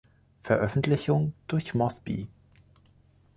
Veröffentlichung durch Mosby.